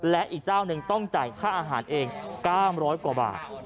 และอีกเจ้าหนึ่งต้องจ่ายค่าอาหารเอง๙๐๐กว่าบาท